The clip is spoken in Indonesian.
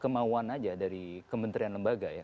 kemauan aja dari kementerian lembaga ya